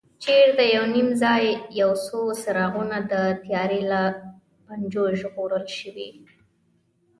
چېرته یو نیم ځای یو څو څراغونه د تیارې له پنجو ژغورل شوي.